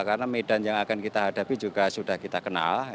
karena medan yang akan kita hadapi juga sudah kita kenal